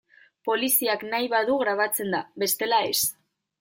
Poliziak nahi badu grabatzen da, bestela ez.